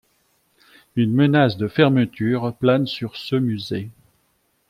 Une menace de fermeture plane sur ce musée.